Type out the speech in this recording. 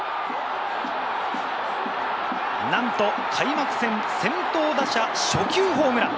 なんと開幕戦、先頭打者、初球ホームラン。